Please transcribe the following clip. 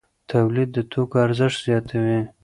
تولید د توکو ارزښت زیاتوي.